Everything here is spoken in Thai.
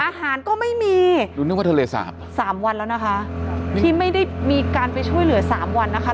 อาหารก็ไม่มีดูนึกว่าทะเลสาบสามวันแล้วนะคะที่ไม่ได้มีการไปช่วยเหลือสามวันนะคะ